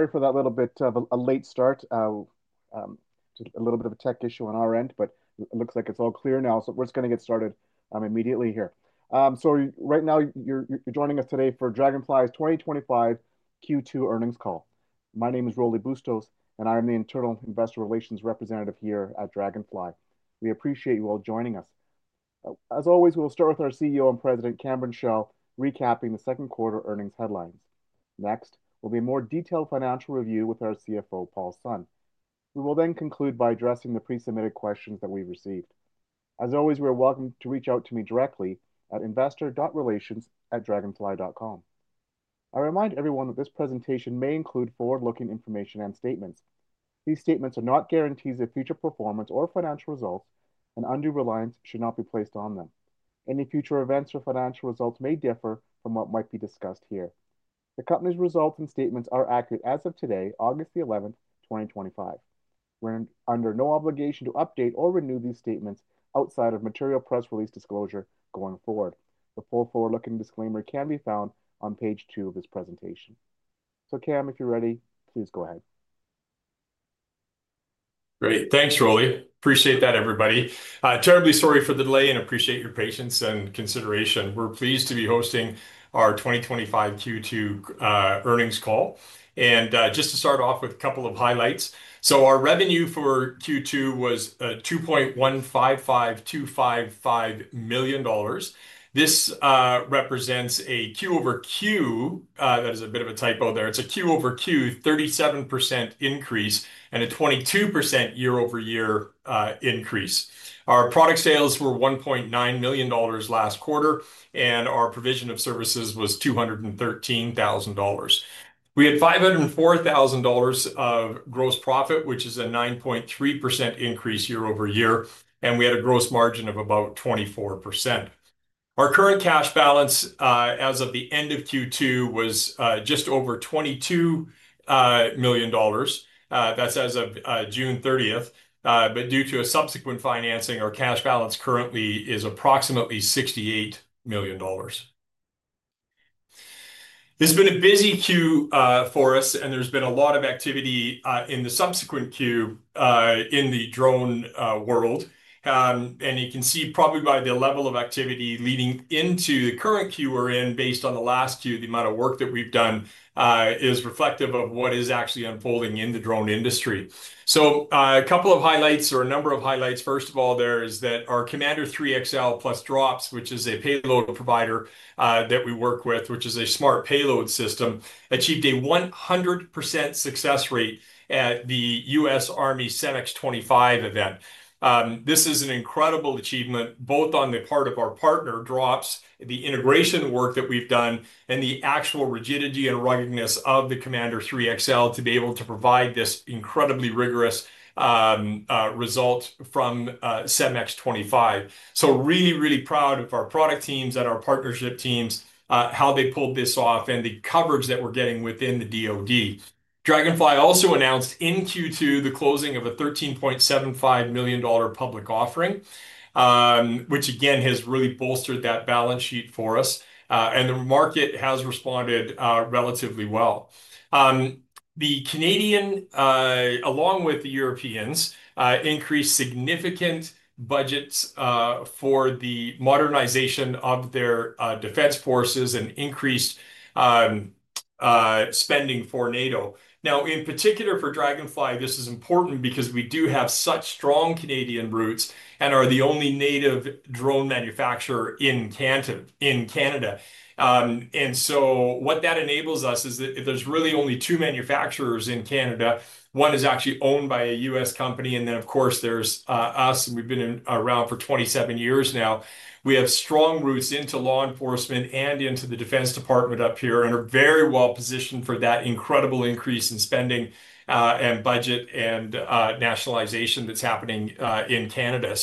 Sorry for that little bit of a late start. A little bit of a tech issue on our end, but it looks like it's all clear now. We're just going to get started immediately here. Right now you're joining us today for Draganfly's 2025 Q2 Earnings Call. My name is Rolly Bustos, and I'm the Internal Investor Relations Representative here at Draganfly. We appreciate you all joining us. As always, we'll start with our CEO and President, Cameron Chell, recapping the Second Quarter Earnings Headlines. Next, there will be a more detailed financial review with our CFO, Paul Sun. We will then conclude by addressing the pre-submitted questions that we received. As always, you're welcome to reach out to me directly at investor.relations@draganfly.com. I remind everyone that this presentation may include forward-looking information and statements. These statements are not guarantees of future performance or financial results, and undue reliance should not be placed on them. Any future events or financial results may differ from what might be discussed here. The company's results and statements are accurate as of today, August 11, 2025. We're under no obligation to update or renew these statements outside of material press release disclosure going forward. The full forward-looking disclaimer can be found on page two of this presentation. Cam, if you're ready, please go ahead. Great. Thanks, Rolly. Appreciate that, everybody. Terribly sorry for the delay and appreciate your patience and consideration. We're pleased to be hosting our 2025 Q2 Earnings Call. Just to start off with a couple of highlights. Our revenue for Q2 was $2,155,255. This represents a Q over Q, that is a bit of a typo there. It's a Q over Q 37% increase and a 22% year-over-year increase. Our product sales were $1.9 million last quarter, and our provision of services was $213,000. We had $504,000 of gross profit, which is a 9.3% increase year-over-year, and we had a gross margin of about 24%. Our current cash balance, as of the end of Q2, was just over $22 million. That's as of June 30th. Due to a subsequent financing, our cash balance currently is approximately $68 million. It's been a busy Q for us, and there's been a lot of activity in the subsequent Q in the drone world. You can see probably by the level of activity leading into the current Q we're in, based on the last Q, the amount of work that we've done is reflective of what is actually unfolding in the drone industry. A couple of highlights or a number of highlights. First of all, our Commander 3XL plus Drops, which is a payload provider that we work with, which is a smart payload system, achieved a 100% success rate at the U.S. Army CEMEX 25 event. This is an incredible achievement, both on the part of our partner Drops, the integration work that we've done, and the actual rigidity and ruggedness of the Commander 3XL to be able to provide this incredibly rigorous result from CEMEX 25. Really, really proud of our product teams and our partnership teams, how they pulled this off and the coverage that we're getting within the DOD. Draganfly also announced in Q2 the closing of a $13.75 million public offering, which again has really bolstered that balance sheet for us. The market has responded relatively well. The Canadian, along with the Europeans, increased significant budgets for the modernization of their defense forces and increased spending for NATO. In particular for Draganfly, this is important because we do have such strong Canadian roots and are the only native drone manufacturer in Canada. What that enables us is that there's really only two manufacturers in Canada. One is actually owned by a U.S. company, and then, of course, there's us. We've been around for 27 years now. We have strong roots into law enforcement and into the Defense Department up here and are very well positioned for that incredible increase in spending and budget and nationalization that's happening in Canada.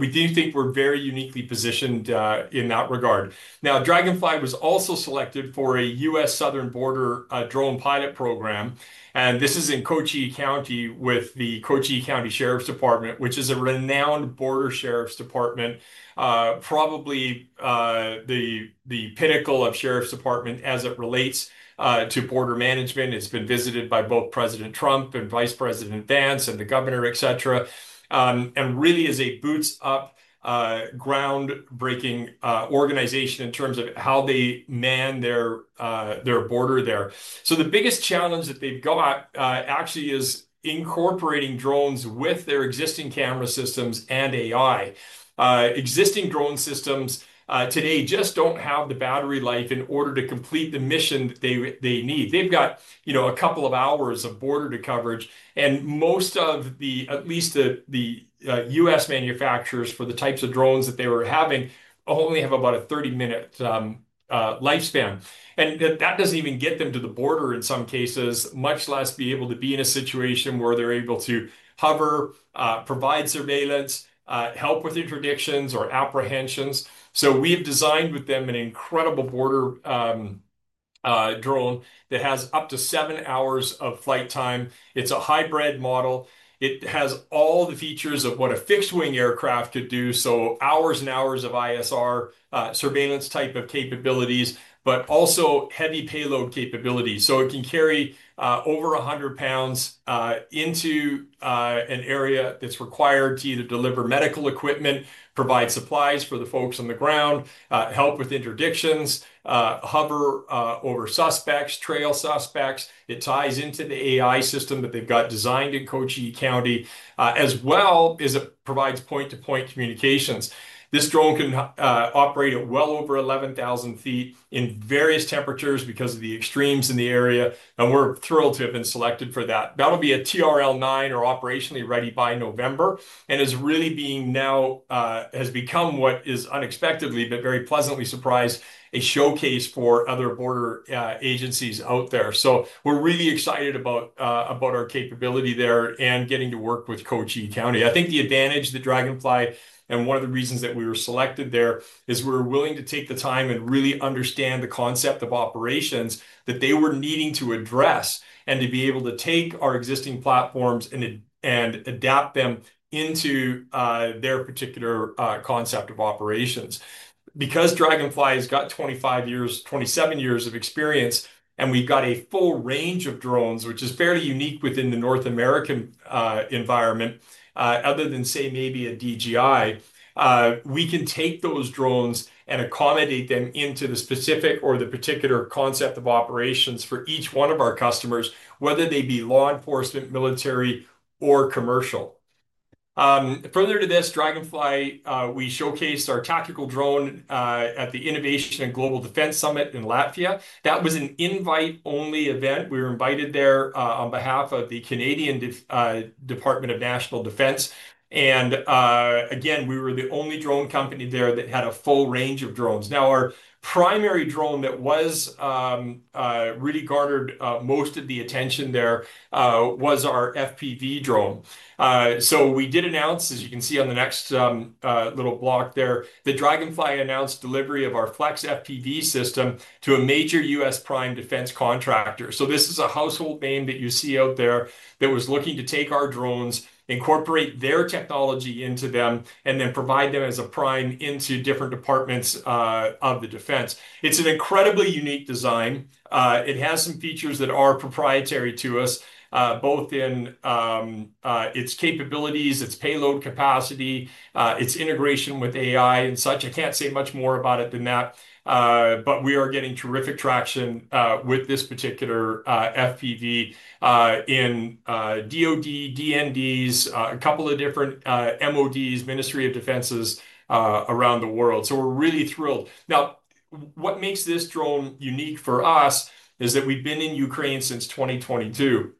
We do think we're very uniquely positioned in that regard. Now, Draganfly was also selected for a U.S. Southern Border Drone Pilot Program. This is in Cochise County with the Cochise County Sheriff's Department, which is a renowned border sheriff's department, probably the pinnacle of sheriff's department as it relates to border management. It's been visited by both President Trump and Vice President Pence and the governor, et cetera, and really is a boots-up, groundbreaking organization in terms of how they man their border there. The biggest challenge that they've got actually is incorporating drones with their existing camera systems and AI. Existing drone systems today just don't have the battery life in order to complete the mission that they need. They've got a couple of hours of border coverage, and most of the, at least the U.S. manufacturers for the types of drones that they were having only have about a 30-minute lifespan. That doesn't even get them to the border in some cases, much less be able to be in a situation where they're able to hover, provide surveillance, help with interdictions or apprehensions. We've designed with them an incredible border drone that has up to seven hours of flight time. It's a hybrid model. It has all the features of what a fixed-wing aircraft could do. Hours and hours of ISR surveillance type of capabilities, but also heavy payload capabilities. It can carry over 100 lbs into an area that's required to either deliver medical equipment, provide supplies for the folks on the ground, help with interdictions, hover over suspects, trail suspects. It ties into the AI system that they've got designed in Cochise County, as well as it provides point-to-point communications. This drone can operate at well over 11,000 ft in various temperatures because of the extremes in the area. We're thrilled to have been selected for that. That'll be a TRL-9 or operationally ready by November and is really being now, has become what is unexpectedly, but very pleasantly surprised, a showcase for other border agencies out there. We're really excited about our capability there and getting to work with Cochise County. I think the advantage that Draganfly and one of the reasons that we were selected there is we're willing to take the time and really understand the concept of operations that they were needing to address and to be able to take our existing platforms and adapt them into their particular concept of operations. Because Draganfly has got 25 years, 27 years of experience, and we've got a full range of drones, which is fairly unique within the North American environment, other than, say, maybe a DJI, we can take those drones and accommodate them into the specific or the particular concept of operations for each one of our customers, whether they be law enforcement, military, or commercial. Further to this, Draganfly, we showcased our tactical drone at the Innovation and Global Defense Summit in Latvia. That was an invite-only event. We were invited there on behalf of the Canadian Department of National Defense. We were the only drone company there that had a full range of drones. Now, our primary drone that really garnered most of the attention there was our FPV drone. We did announce, as you can see on the next little block there, that Draganfly announced delivery of our Flex FPV system to a major U.S. Prime defense contractor. This is a household name that you see out there that was looking to take our drones, incorporate their technology into them, and then provide them as a prime into different departments of the defense. It's an incredibly unique design. It has some features that are proprietary to us, both in its capabilities, its payload capacity, its integration with AI and such. I can't say much more about it than that. We are getting terrific traction with this particular FPV in DOD, DNDs, a couple of different MODs, Ministry of Defenses around the world. We're really thrilled. What makes this drone unique for us is that we've been in Ukraine since 2022.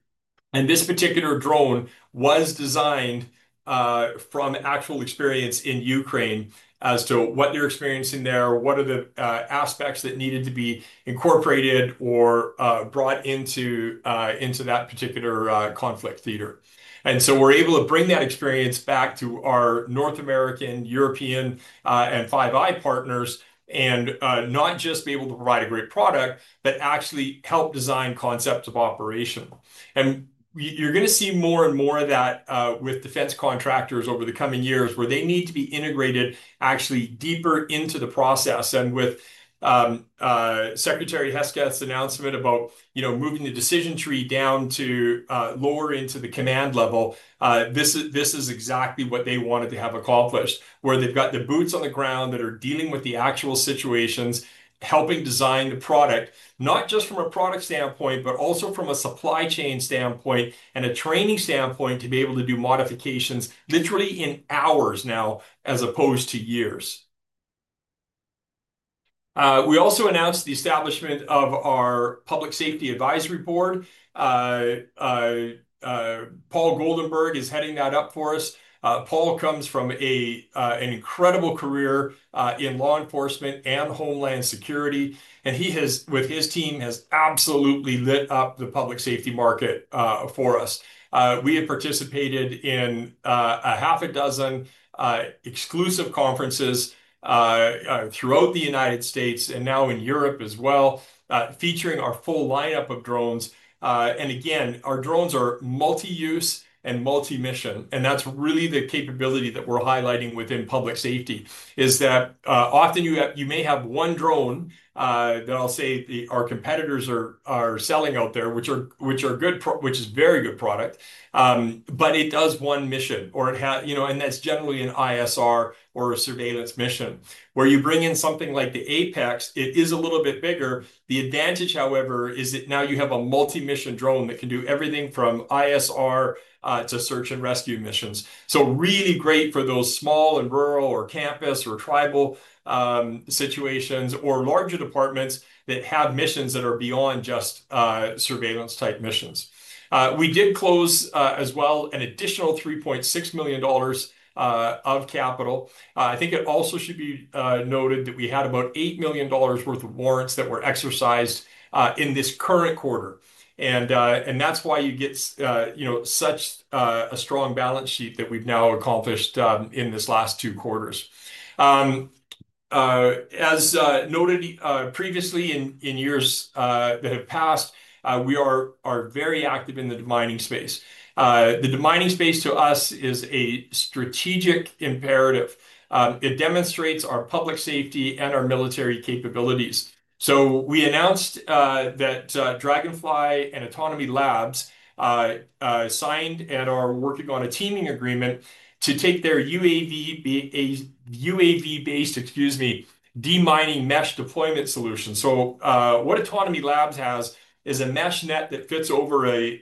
This particular drone was designed from actual experience in Ukraine as to what they're experiencing there, what are the aspects that needed to be incorporated or brought into that particular conflict theater. We're able to bring that experience back to our North American, European, and 5I partners and not just be able to provide a great product, but actually help design concepts of operation. You're going to see more and more of that with defense contractors over the coming years where they need to be integrated actually deeper into the process. With Secretary Hesketh's announcement about moving the decision tree down to lower into the command level, this is exactly what they wanted to have accomplished, where they've got the boots on the ground that are dealing with the actual situations, helping design the product, not just from a product standpoint, but also from a supply chain standpoint and a training standpoint to be able to do modifications literally in hours now, as opposed to years. We also announced the establishment of our Public Safety Advisory Board. Paul Goldenberg is heading that up for us. Paul comes from an incredible career in law enforcement and Homeland Security, and he has, with his team, absolutely lit up the public safety market for us. We have participated in a half a dozen exclusive conferences throughout the United States and now in Europe as well, featuring our full lineup of drones. Our drones are multi-use and multi-mission. That is really the capability that we're highlighting within public safety, as often you may have one drone that I'll say our competitors are selling out there, which is a very good product, but it does one mission, or it has, you know, and that's generally an ISR or a surveillance mission. Where you bring in something like the Apex, it is a little bit bigger. The advantage, however, is that now you have a multi-mission drone that can do everything from ISR to search and rescue missions. Really great for those small and rural or campus or tribal situations or larger departments that have missions that are beyond just surveillance type missions. We did close as well an additional $3.6 million of capital. It also should be noted that we had about $8 million worth of warrants that were exercised in this current quarter. That is why you get such a strong balance sheet that we've now accomplished in this last two quarters. As noted previously in years that have passed, we are very active in the mining space. The mining space to us is a strategic imperative. It demonstrates our public safety and our military capabilities. We announced that Draganfly and Autonome Labs signed and are working on a teaming agreement to take their UAV-based, excuse me, de-mining mesh deployment solution. What Autonome Labs has is a mesh net that fits over a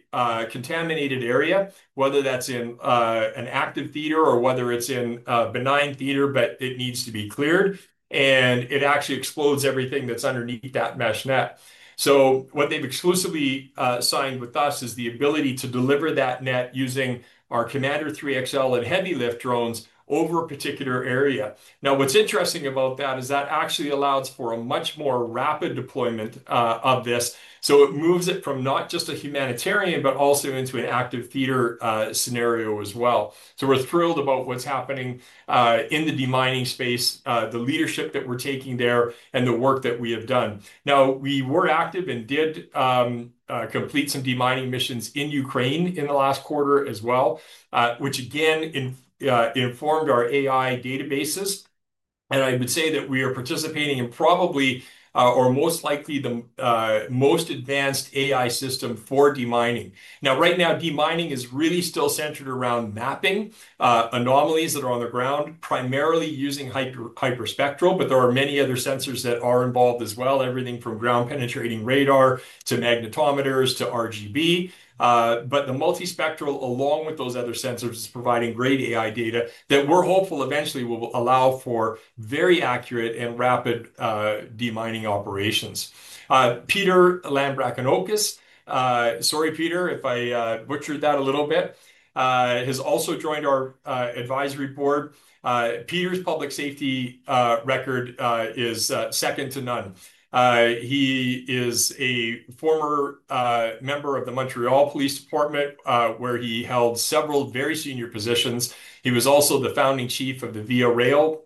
contaminated area, whether that's in an active theater or whether it's in a benign theater, but it needs to be cleared. It actually explodes everything that's underneath that mesh net. What they've exclusively signed with us is the ability to deliver that net using our Commander 3XL and heavy-lift drones over a particular area. What's interesting about that is that actually allows for a much more rapid deployment of this. It moves it from not just a humanitarian, but also into an active theater scenario as well. We're thrilled about what's happening in the de-mining space, the leadership that we're taking there, and the work that we have done. We were active and did complete some de-mining missions in Ukraine in the last quarter as well, which again informed our AI databases. I would say that we are participating in probably, or most likely, the most advanced AI system for de-mining. Right now, de-mining is really still centered around mapping anomalies that are on the ground, primarily using hyperspectral, but there are many other sensors that are involved as well, everything from ground penetrating radar to magnetometers to RGB. The multispectral, along with those other sensors, is providing great AI data that we're hopeful eventually will allow for very accurate and rapid de-mining operations. Peter Lambrinakos, sorry, Peter, if I butchered that a little bit, has also joined our Advisory Board. Peter's public safety record is second to none. He is a former member of the Montreal Police Department, where he held several very senior positions. He was also the founding Chief of the Via Rail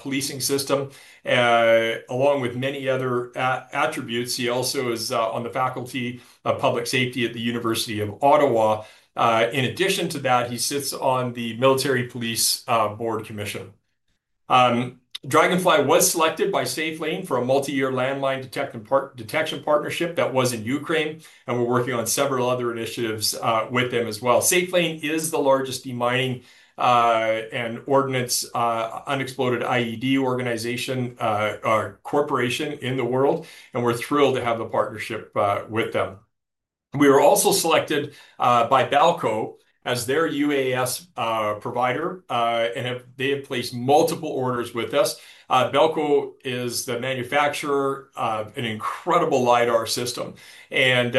Policing System, along with many other attributes. He also is on the Faculty of Public Safety at the University of Ottawa. In addition to that, he sits on the Military Police Board Commission. Draganfly was selected by SafeLane for a multi-year landmine detection partnership that was in Ukraine, and we're working on several other initiatives with them as well. SafeLane is the largest de-mining and ordnance unexploded IED organization corporation in the world, and we're thrilled to have a partnership with them. We were also selected by Balko as their UAS provider, and they have placed multiple orders with us. Balko is the manufacturer of an incredible LIDAR system, and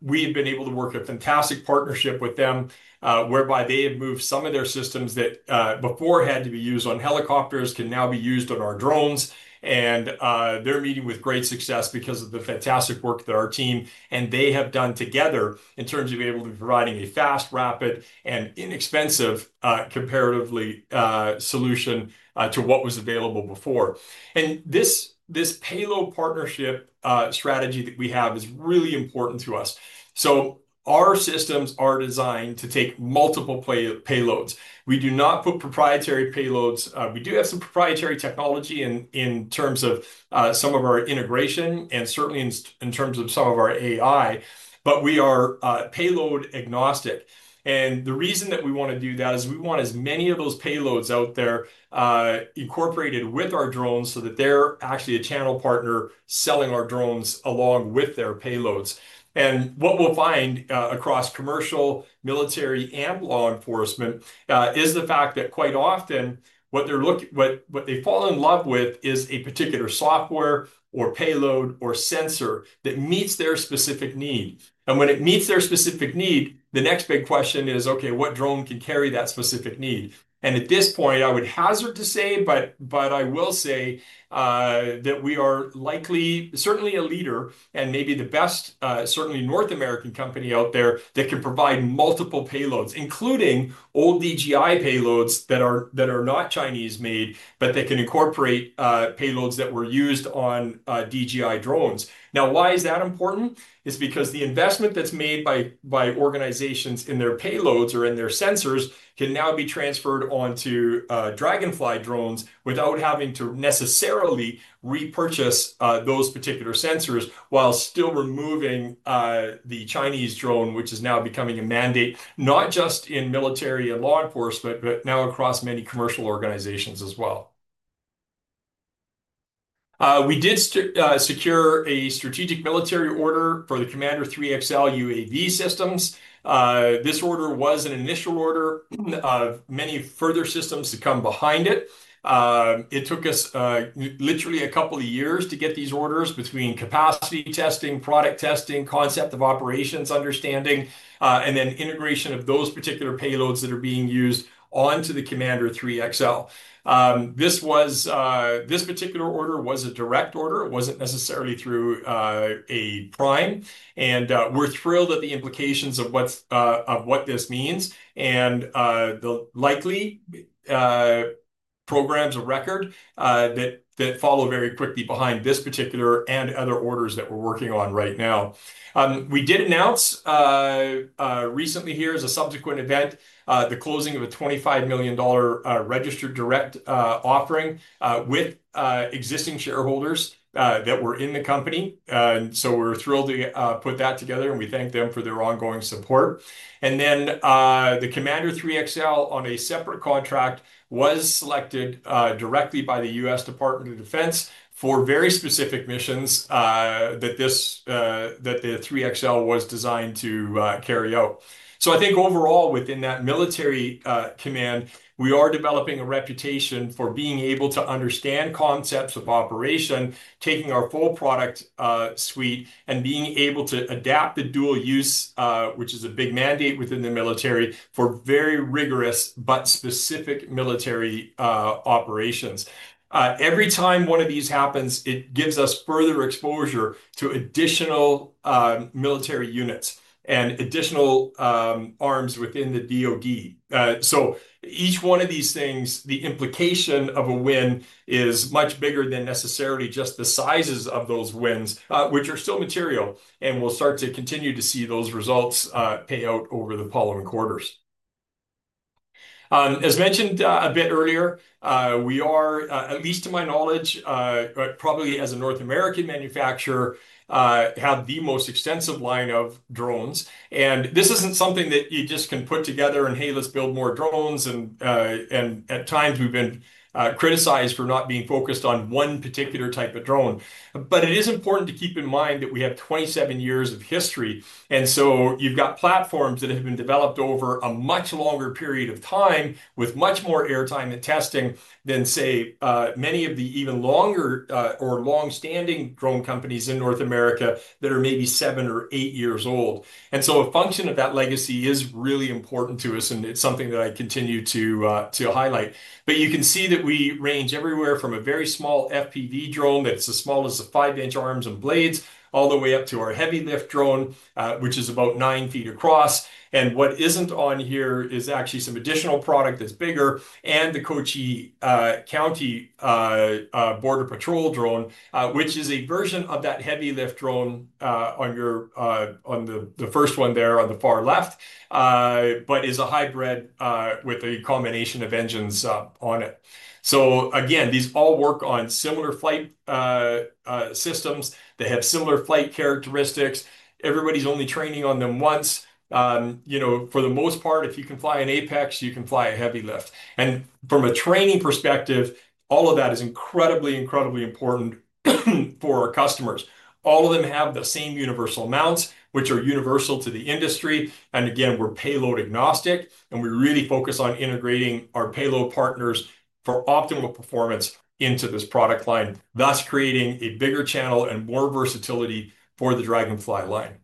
we've been able to work a fantastic partnership with them, whereby they have moved some of their systems that before had to be used on helicopters to now be used on our drones. They're meeting with great success because of the fantastic work that our team and they have done together in terms of being able to provide a fast, rapid, and inexpensive, comparatively, solution to what was available before. This payload partnership strategy that we have is really important to us. Our systems are designed to take multiple payloads. We do not put proprietary payloads. We do have some proprietary technology in terms of some of our integration and certainly in terms of some of our AI, but we are payload agnostic. The reason that we want to do that is we want as many of those payloads out there incorporated with our drones so that they're actually a channel partner selling our drones along with their payloads. What we'll find across commercial, military, and law enforcement is the fact that quite often what they fall in love with is a particular software or payload or sensor that meets their specific need. When it meets their specific need, the next big question is, okay, what drone can carry that specific need? At this point, I would hazard to say, but I will say that we are likely certainly a leader and maybe the best, certainly North American company out there that can provide multiple payloads, including old DJI payloads that are not Chinese made, but that can incorporate payloads that were used on DJI drones. Why is that important? It's because the investment that's made by organizations in their payloads or in their sensors can now be transferred onto Draganfly drones without having to necessarily repurchase those particular sensors while still removing the Chinese drone, which is now becoming a mandate, not just in military and law enforcement, but now across many commercial organizations as well. We did secure a strategic military order for the Commander 3XL UAV systems. This order was an initial order of many further systems to come behind it. It took us literally a couple of years to get these orders between capacity testing, product testing, concept of operations understanding, and then integration of those particular payloads that are being used onto the Commander 3XL. This particular order was a direct order. It wasn't necessarily through a prime. We're thrilled at the implications of what this means and the likely programs of record that follow very quickly behind this particular and other orders that we're working on right now. We did announce recently here as a subsequent event the closing of a $25 million registered direct offering with existing shareholders that were in the company. We're thrilled to put that together, and we thank them for their ongoing support. The Commander 3XL on a separate contract was selected directly by the U.S. Department of Defense for very specific missions that the 3XL was designed to carry out. I think overall within that military command, we are developing a reputation for being able to understand concepts of operation, taking our full product suite, and being able to adapt the dual use, which is a big mandate within the military, for very rigorous but specific military operations. Every time one of these happens, it gives us further exposure to additional military units and additional arms within the DOD. Each one of these things, the implication of a win is much bigger than necessarily just the sizes of those wins, which are still material. We'll start to continue to see those results pay out over the following quarters. As mentioned a bit earlier, we are, at least to my knowledge, probably as a North American manufacturer, have the most extensive line of drones. This isn't something that you just can put together and, hey, let's build more drones. At times, we've been criticized for not being focused on one particular type of drone. It is important to keep in mind that we have 27 years of history. You've got platforms that have been developed over a much longer period of time with much more airtime and testing than, say, many of the even longer or longstanding drone companies in North America that are maybe seven or eight years old. A function of that legacy is really important to us, and it's something that I continue to highlight. You can see that we range everywhere from a very small FPV drone that's as small as the 5 in arms and blades all the way up to our heavy-lift drone, which is about 9 ft across. What isn't on here is actually some additional product that's bigger and the Cochise County Border Patrol drone, which is a version of that heavy-lift drone on the first one there on the far left, but is a hybrid with a combination of engines on it. These all work on similar flight systems. They have similar flight characteristics. Everybody's only training on them once. For the most part, if you can fly an Apex, you can fly a heavy-lift. From a training perspective, all of that is incredibly, incredibly important for our customers. All of them have the same universal mounts, which are universal to the industry. We're payload agnostic, and we really focus on integrating our payload partners for optimal performance into this product line, thus creating a bigger channel and more versatility for the Draganfly line.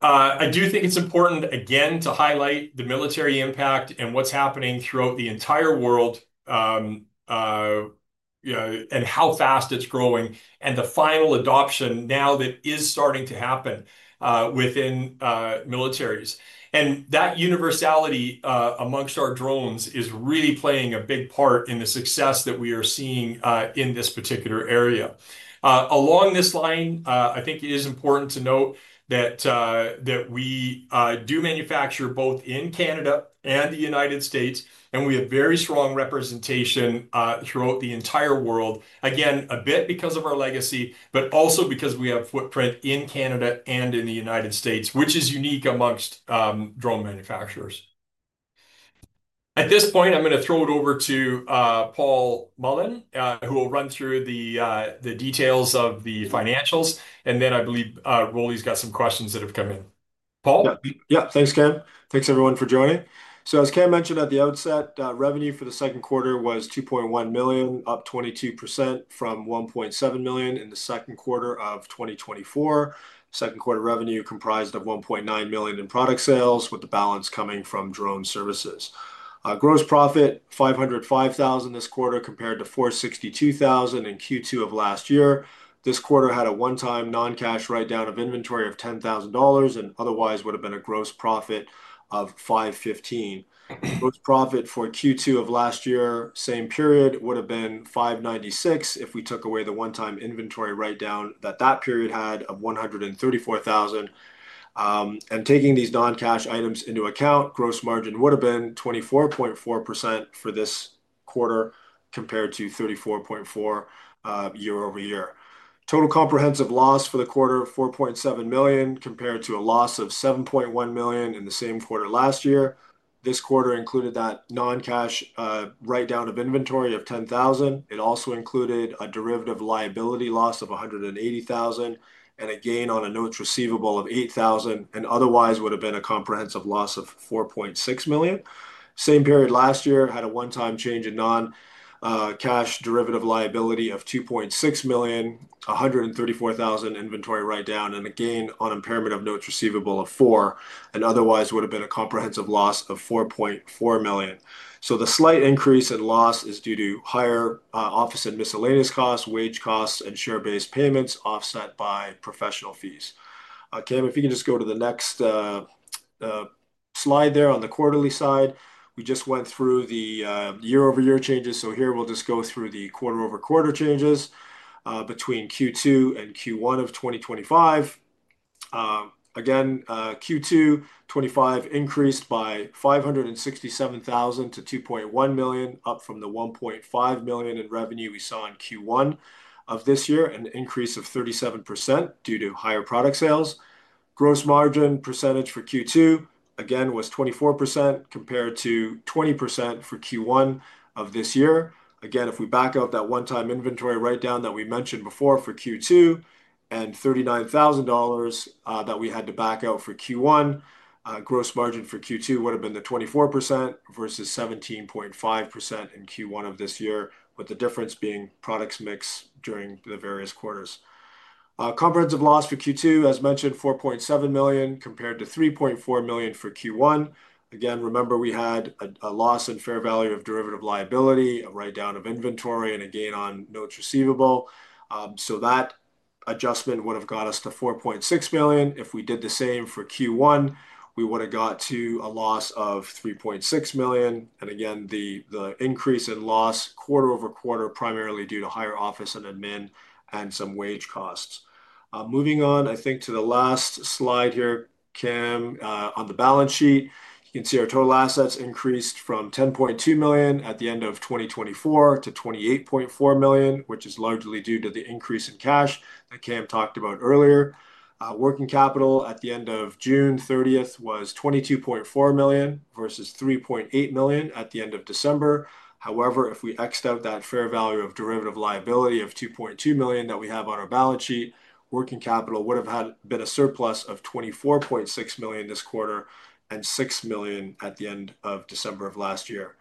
I do think it's important, again, to highlight the military impact and what's happening throughout the entire world and how fast it's growing and the final adoption now that is starting to happen within militaries. That universality amongst our drones is really playing a big part in the success that we are seeing in this particular area. Along this line, I think it is important to note that we do manufacture both in Canada and the United States, and we have very strong representation throughout the entire world. A bit because of our legacy, but also because we have a footprint in Canada and in the United States, which is unique amongst drone manufacturers. At this point, I'm going to throw it over to Paul Mullen, who will run through the details of the financials. I believe Rolly's got some questions that have come in. Paul? Yeah, thanks, Cam. Thanks, everyone, for joining. As Cam mentioned at the outset, revenue for the second quarter was $2.1 million, up 22% from $1.7 million in the second quarter of 2024. Second quarter revenue comprised $1.9 million in product sales, with the balance coming from drone services. Gross profit was $505,000 this quarter compared to $462,000 in Q2 of last year. This quarter had a one-time non-cash write-down of inventory of $10,000 and otherwise would have been a gross profit of $515,000. Gross profit for Q2 of last year, same period, would have been $596,000 if we took away the one-time inventory write-down that that period had of $134,000. Taking these non-cash items into account, gross margin would have been 24.4% for this quarter compared to 34.4% year-over-year. Total comprehensive loss for the quarter was $4.7 million compared to a loss of $7.1 million in the same quarter last year. This quarter included that non-cash write-down of inventory of $10,000. It also included a derivative liability loss of $180,000 and a gain on a note receivable of $8,000 and otherwise would have been a comprehensive loss of $4.6 million. Same period last year had a one-time change in non-cash derivative liability of $2.6 million, $134,000 inventory write-down, and a gain on impairment of notes receivable of $4,000 and otherwise would have been a comprehensive loss of $4.4 million. The slight increase in loss is due to higher office and miscellaneous costs, wage costs, and share-based payments offset by professional fees. Cam, if you can just go to the next slide there on the quarterly side, we just went through the year-over-year changes. Here we'll just go through the quarter-over-quarter changes between Q2 and Q1 of 2025. Q2 2025 increased by $567,000 to $2.1 million, up from the $1.5 million in revenue we saw in Q1 of this year, and the increase of 37% was due to higher product sales. Gross margin percentage for Q2 was 24% compared to 20% for Q1 of this year. If we back out that one-time inventory write-down that we mentioned before for Q2 and $39,000 that we had to back out for Q1, gross margin for Q2 would have been the 24% versus 17.5% in Q1 of this year, with the difference being products mixed during the various quarters. Comprehensive loss for Q2, as mentioned, was $4.7 million compared to $3.4 million for Q1. Again, remember we had a loss in fair value of derivative liability, a write-down of inventory, and a gain on notes receivable. That adjustment would have got us to $4.6 million. If we did the same for Q1, we would have got to a loss of $3.6 million. The increase in loss quarter-over-quarter was primarily due to higher office and admin and some wage costs. Moving on, I think to the last slide here, Cam, on the balance sheet, you can see our total assets increased from $10.2 million at the end of 2024 to $28.4 million, which is largely due to the increase in cash that Cam talked about earlier. Working capital at the end of June 30th was $22.4 million versus $3.8 million at the end of December. However, if we X'd out that fair value of derivative liability of $2.2 million that we have on our balance sheet, working capital would have been a surplus of $24.6 million this quarter and $6 million at the end of December of last year.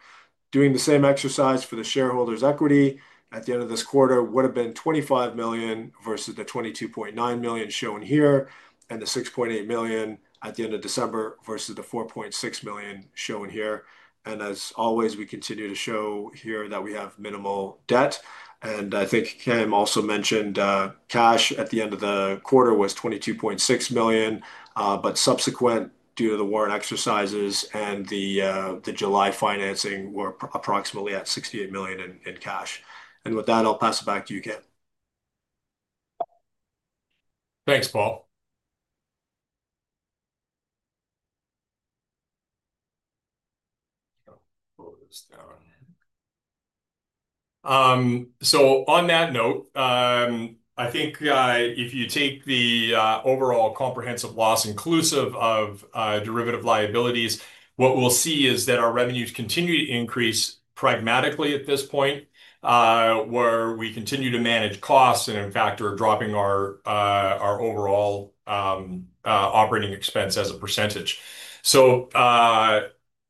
Doing the same exercise for the shareholders' equity at the end of this quarter would have been $25 million versus the $22.9 million shown here and the $6.8 million at the end of December versus the $4.6 million shown here. As always, we continue to show here that we have minimal debt. I think Cam also mentioned cash at the end of the quarter was $22.6 million, but subsequent due to the warrant exercises and the July financing, we were approximately at $68 million in cash. With that, I'll pass it back to you, Cam. Thanks, Paul. On that note, I think if you take the overall comprehensive loss inclusive of derivative liabilities, what we'll see is that our revenues continue to increase pragmatically at this point, where we continue to manage costs and, in fact, are dropping our overall operating expense as a percentage. I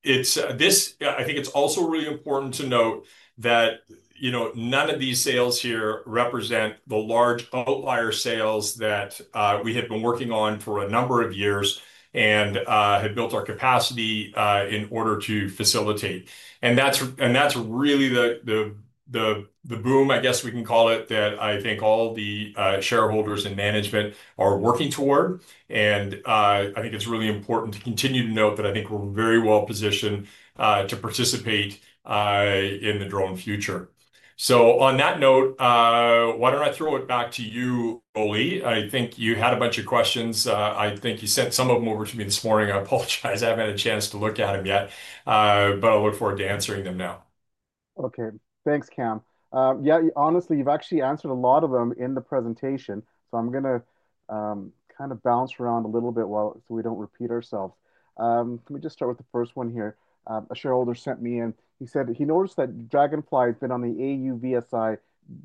think it's also really important to note that none of these sales here represent the large outlier sales that we had been working on for a number of years and had built our capacity in order to facilitate. That's really the boom, I guess we can call it, that I think all the shareholders and management are working toward. I think it's really important to continue to note that I think we're very well positioned to participate in the drone future. On that note, why don't I throw it back to you, Rolly? I think you had a bunch of questions. I think you sent some of them over to me this morning. I apologize, I haven't had a chance to look at them yet, but I look forward to answering them now. Okay, thanks, Cam. Honestly, you've actually answered a lot of them in the presentation. I'm going to kind of bounce around a little bit while we don't repeat ourselves. Can we just start with the first one here? A shareholder sent me in. He said he noticed that Draganfly had been on the AUVSI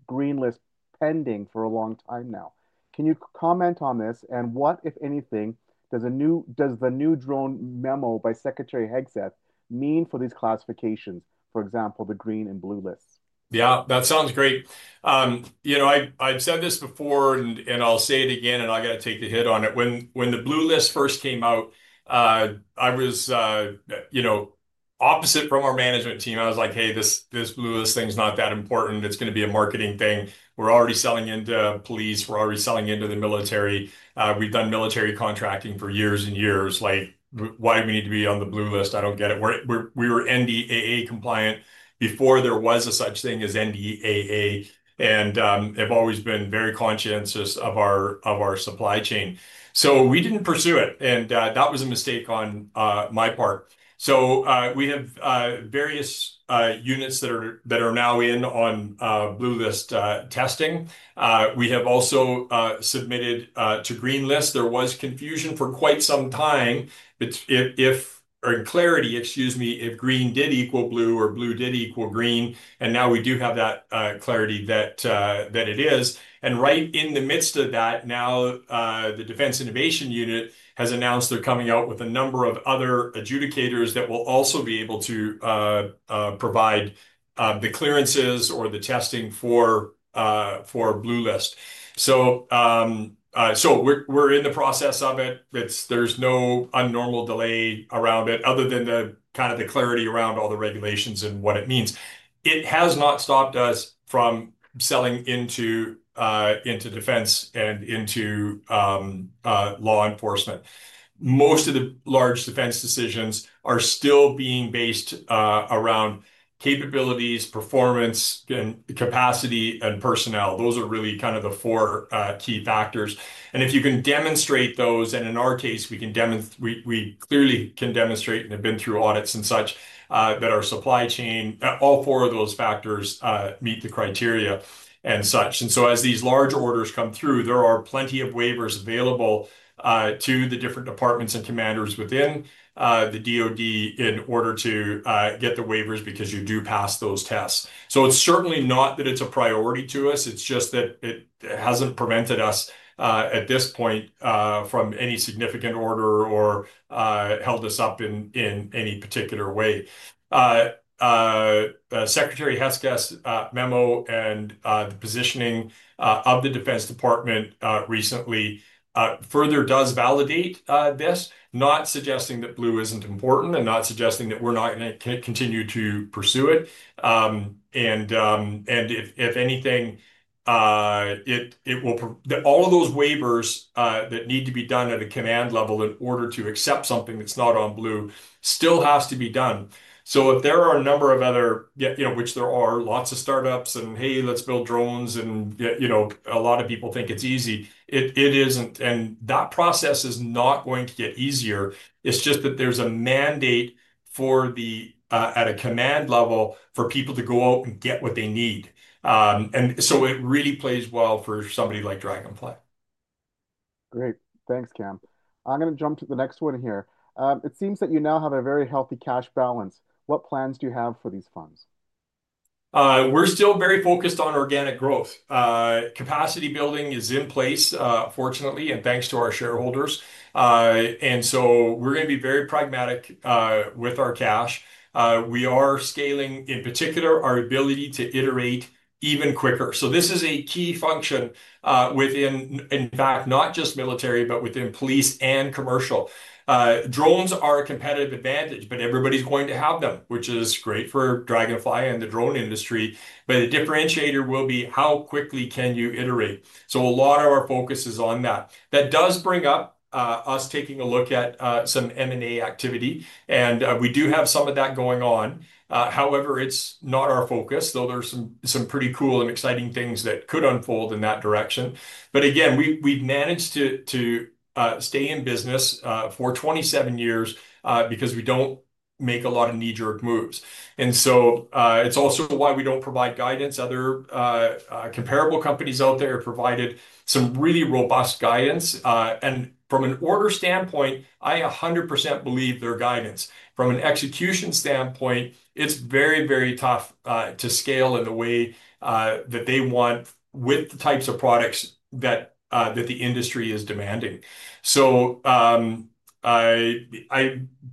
green list pending for a long time now. Can you comment on this? What, if anything, does the new drone memo by Secretary Hegseth mean for these classifications, for example, the green and blue list? Yeah, that sounds great. I've said this before, and I'll say it again, and I've got to take the hit on it. When the blue list first came out, I was opposite from our management team. I was like, hey, this blue list thing's not that important. It's going to be a marketing thing. We're already selling into police. We're already selling into the military. We've done military contracting for years and years. Like, why do we need to be on the blue list? I don't get it. We were NDAA-compliant before there was such a thing as NDAA, and I've always been very conscientious of our supply chain. We didn't pursue it, and that was a mistake on my part. We have various units that are now in on blue list testing. We have also submitted to green list. There was confusion for quite some time, or in clarity, excuse me, if green did equal blue or blue did equal green. Now we do have that clarity that it is. Right in the midst of that, now the Defense Innovation Unit has announced they're coming out with a number of other adjudicators that will also be able to provide the clearances or the testing for blue list. We're in the process of it. There's no abnormal delay around it, other than the clarity around all the regulations and what it means. It has not stopped us from selling into defense and into law enforcement. Most of the large defense decisions are still being based around capabilities, performance, capacity, and personnel. Those are really the four key factors. If you can demonstrate those, and in our case, we clearly can demonstrate and have been through audits and such, that our supply chain, all four of those factors meet the criteria and such. As these large orders come through, there are plenty of waivers available to the different departments and commanders within the DOD in order to get the waivers because you do pass those tests. It's certainly not that it's a priority to us. It's just that it hasn't prevented us at this point from any significant order or held us up in any particular way. Secretary Hesketh's memo and the positioning of the Defense Department recently further does validate this, not suggesting that blue isn't important and not suggesting that we're not going to continue to pursue it. If anything, all of those waivers that need to be done at a command level in order to accept something that's not on blue still have to be done. There are a number of other, you know, which there are lots of startups and, hey, let's build drones. You know, a lot of people think it's easy. It isn't. That process is not going to get easier. It's just that there's a mandate at a command level for people to go out and get what they need. It really plays well for somebody like Draganfly. Great. Thanks, Cam. I'm going to jump to the next one here. It seems that you now have a very healthy cash balance. What plans do you have for these funds? We're still very focused on organic growth. Capacity building is in place, fortunately, and thanks to our shareholders. We're going to be very pragmatic with our cash. We are scaling, in particular, our ability to iterate even quicker. This is a key function within, in fact, not just military, but within police and commercial. Drones are a competitive advantage, but everybody's going to have them, which is great for Draganfly and the drone industry. A differentiator will be how quickly you can iterate. A lot of our focus is on that. That does bring up us taking a look at some M&A activity. We do have some of that going on. However, it's not our focus, though there are some pretty cool and exciting things that could unfold in that direction. We've managed to stay in business for 27 years because we don't make a lot of knee-jerk moves. It's also why we don't provide guidance. Other comparable companies out there have provided some really robust guidance. From an order standpoint, I 100% believe their guidance. From an execution standpoint, it's very, very tough to scale in the way that they want with the types of products that the industry is demanding.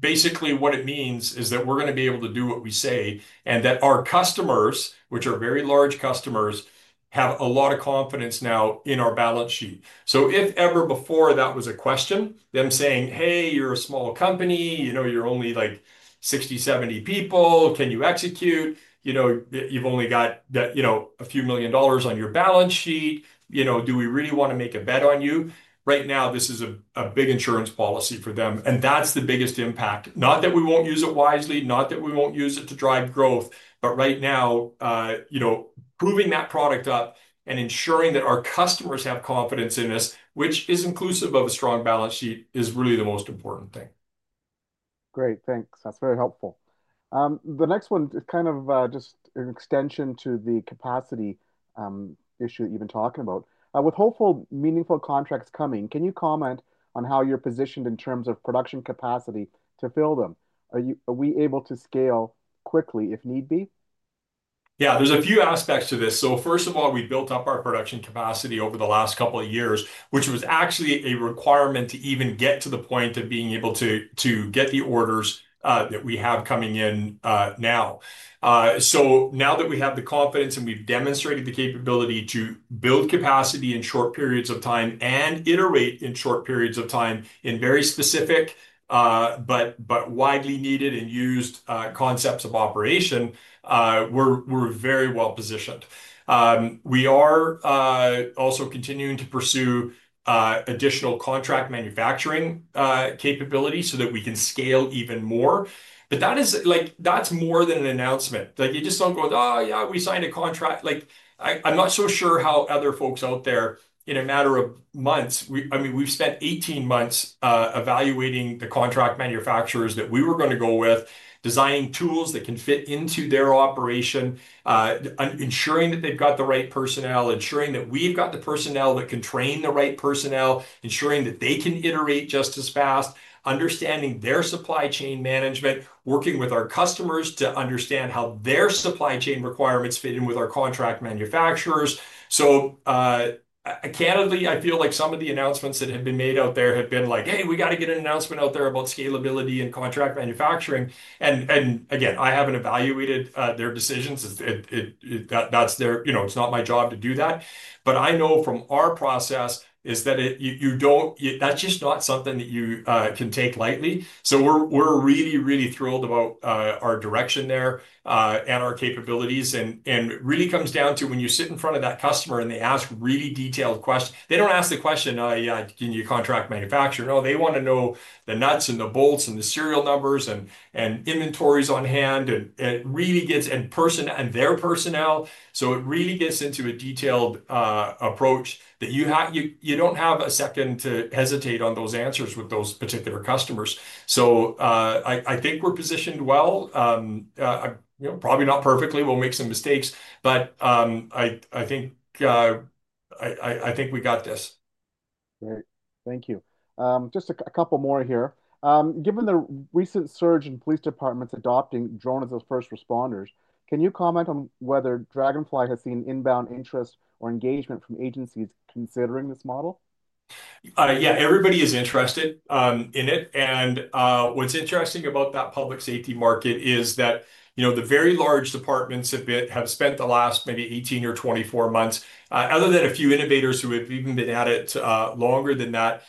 Basically, what it means is that we're going to be able to do what we say and that our customers, which are very large customers, have a lot of confidence now in our balance sheet. If ever before that was a question, them saying, "Hey, you're a small company, you know, you're only like 60, 70 people, can you execute? You know, you've only got a few million dollars on your balance sheet. You know, do we really want to make a bet on you?" Right now, this is a big insurance policy for them. That's the biggest impact. Not that we won't use it wisely, not that we won't use it to drive growth, but right now, proving that product up and ensuring that our customers have confidence in us, which is inclusive of a strong balance sheet, is really the most important thing. Great, thanks. That's very helpful. The next one is kind of just an extension to the capacity issue that you've been talking about. With hopeful meaningful contracts coming, can you comment on how you're positioned in terms of production capacity to fill them? Are we able to scale quickly if need be? Yeah, there's a few aspects to this. First of all, we built up our production capacity over the last couple of years, which was actually a requirement to even get to the point of being able to get the orders that we have coming in now. Now that we have the confidence and we've demonstrated the capability to build capacity in short periods of time and iterate in short periods of time in very specific but widely needed and used concepts of operation, we're very well positioned. We are also continuing to pursue additional contract manufacturing capabilities so that we can scale even more. That is more than an announcement. You just don't go, "Oh, yeah, we signed a contract." I'm not so sure how other folks out there, in a matter of months, I mean, we've spent 18 months evaluating the contract manufacturers that we were going to go with, designing tools that can fit into their operation, ensuring that they've got the right personnel, ensuring that we've got the personnel that can train the right personnel, ensuring that they can iterate just as fast, understanding their supply chain management, working with our customers to understand how their supply chain requirements fit in with our contract manufacturers. Candidly, I feel like some of the announcements that have been made out there have been like, "Hey, we got to get an announcement out there about scalability and contract manufacturing." I haven't evaluated their decisions. That's their, you know, it's not my job to do that. I know from our process that you don't, that's just not something that you can take lightly. We're really, really thrilled about our direction there and our capabilities. It really comes down to when you sit in front of that customer and they ask really detailed questions. They don't ask the question, "Hey, can you contract manufacture?" No, they want to know the nuts and the bolts and the serial numbers and inventories on hand. It really gets in person and their personnel. It really gets into a detailed approach that you don't have a second to hesitate on those answers with those particular customers. I think we're positioned well. Probably not perfectly. We'll make some mistakes. I think we got this. Great. Thank you. Just a couple more here. Given the recent surge in police departments adopting drones as first responders, can you comment on whether Draganfly has seen inbound interest or engagement from agencies considering this model? Yeah, everybody is interested in it. What's interesting about that public safety market is that the very large departments have spent the last maybe 18 or 24 months, other than a few innovators who have even been at it longer than that,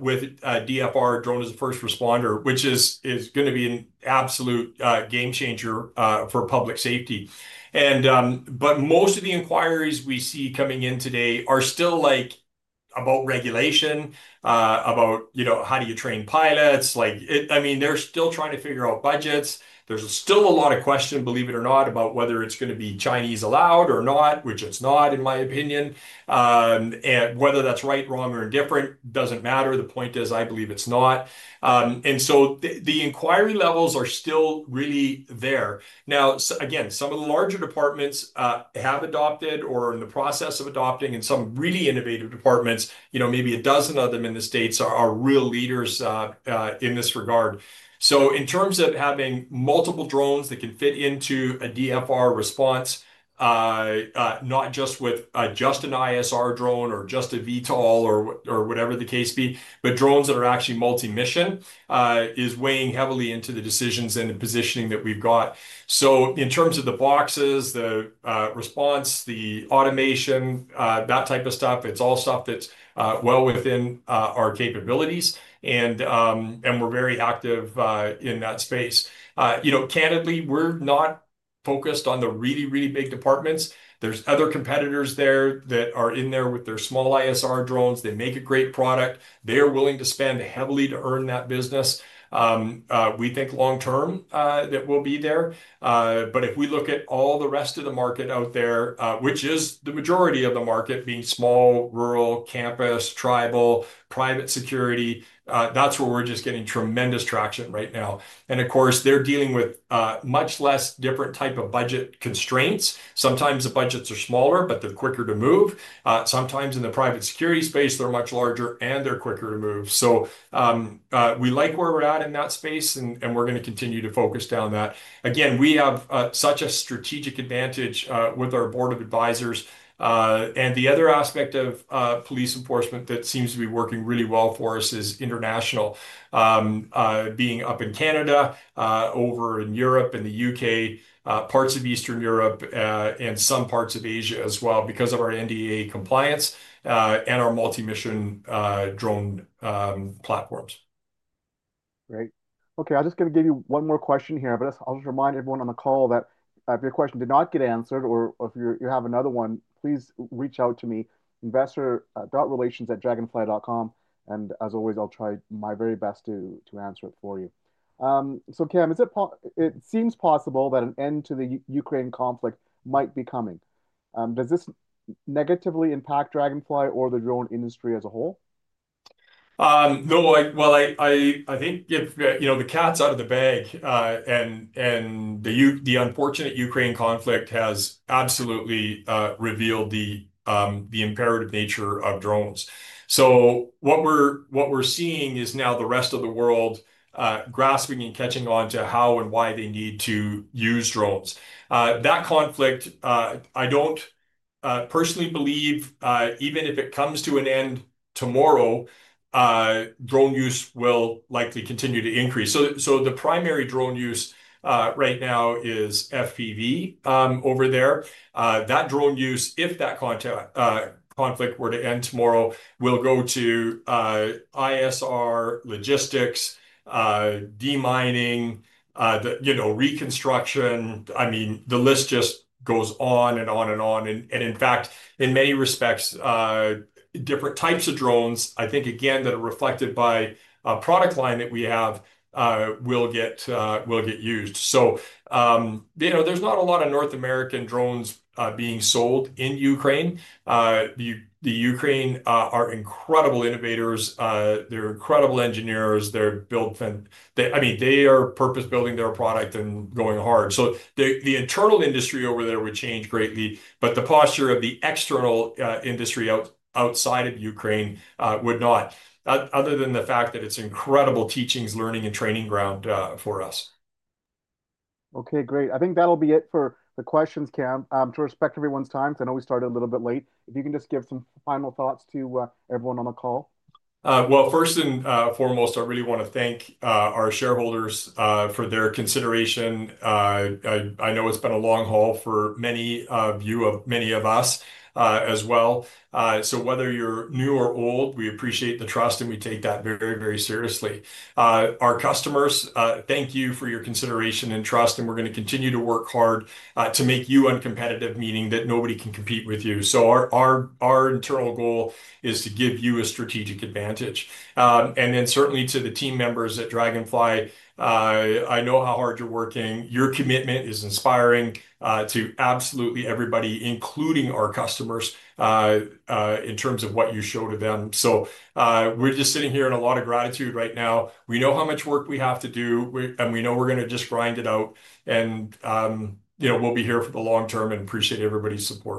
with DFR, Drone as a First Responder, which is going to be an absolute game changer for public safety. Most of the inquiries we see coming in today are still about regulation, about how do you train pilots. They're still trying to figure out budgets. There's still a lot of question, believe it or not, about whether it's going to be Chinese allowed or not, which it's not, in my opinion. Whether that's right, wrong, or indifferent doesn't matter. The point is, I believe it's not. The inquiry levels are still really there. Some of the larger departments have adopted or are in the process of adopting, and some really innovative departments, maybe a dozen of them in the States, are real leaders in this regard. In terms of having multiple drones that can fit into a DFR response, not just with just an ISR drone or just a VTOL or whatever the case be, but drones that are actually multi-mission is weighing heavily into the decisions and the positioning that we've got. In terms of the boxes, the response, the automation, that type of stuff, it's all stuff that's well within our capabilities. We're very active in that space. Candidly, we're not focused on the really, really big departments. There are other competitors there that are in there with their small ISR drones. They make a great product. They are willing to spend heavily to earn that business. We think long term that we'll be there. If we look at all the rest of the market out there, which is the majority of the market being small, rural, campus, tribal, private security, that's where we're just getting tremendous traction right now. Of course, they're dealing with much less different types of budget constraints. Sometimes the budgets are smaller, but they're quicker to move. Sometimes in the private security space, they're much larger and they're quicker to move. We like where we're at in that space, and we're going to continue to focus down that. We have such a strategic advantage with our Board of Advisors. The other aspect of police enforcement that seems to be working really well for us is international, being up in Canada, over in Europe and the U.K., parts of Eastern Europe, and some parts of Asia as well because of our NDAA compliance and our multi-mission drone platforms. Great. Okay, I'm just going to give you one more question here. I'll just remind everyone on the call that if your question did not get answered or if you have another one, please reach out to me, investor.relations@draganfly.com. As always, I'll try my very best to answer it for you. Cam, is it, it seems possible that an end to the Ukraine conflict might be coming. Does this negatively impact Draganfly or the drone industry as a whole? I think if, you know, the cat's out of the bag and the unfortunate Ukraine conflict has absolutely revealed the imperative nature of drones. What we're seeing is now the rest of the world grasping and catching on to how and why they need to use drones. That conflict, I don't personally believe, even if it comes to an end tomorrow, drone use will likely continue to increase. The primary drone use right now is FPV over there. That drone use, if that conflict were to end tomorrow, will go to ISR, logistics, de-mining, reconstruction. I mean, the list just goes on and on and on. In fact, in many respects, different types of drones, I think again, that are reflected by a product line that we have will get used. There's not a lot of North American drones being sold in Ukraine. The Ukraine are incredible innovators. They're incredible engineers. They're built, I mean, they are purpose-building their product and going hard. The internal industry over there would change greatly, but the posture of the external industry outside of Ukraine would not, other than the fact that it's an incredible teachings, learning, and training ground for us. Okay, great. I think that'll be it for the questions, Cam. To respect everyone's time, because I know we started a little bit late, if you can just give some final thoughts to everyone on the call. First and foremost, I really want to thank our shareholders for their consideration. I know it's been a long haul for many of you, many of us as well. Whether you're new or old, we appreciate the trust and we take that very, very seriously. Our customers, thank you for your consideration and trust, and we're going to continue to work hard to make you uncompetitive, meaning that nobody can compete with you. Our internal goal is to give you a strategic advantage. Certainly to the team members at Draganfly, I know how hard you're working. Your commitment is inspiring to absolutely everybody, including our customers, in terms of what you show to them. We're just sitting here in a lot of gratitude right now. We know how much work we have to do, and we know we're going to just grind it out. We'll be here for the long term and appreciate everybody's support.